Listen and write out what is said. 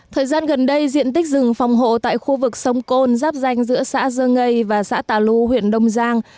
thời gian gần đây diện tích rừng phòng hộ tại khu vực sông côn giáp danh giữa xã dơ ngây và xã tà lu huyện đông giang